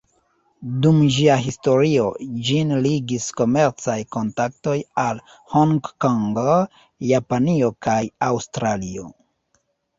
Dum ĝia historio, ĝin ligis komercaj kontaktoj al Hongkongo, Japanio kaj Aŭstralio.